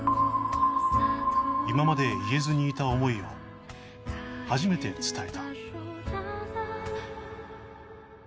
今まで言えずにいた思いを初めて伝えた